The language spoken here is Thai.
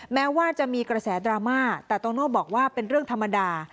แม้ว่าจะมีกระแสดราม่าแต่โตโน่บอกว่าเป็นเรื่องธรรมดา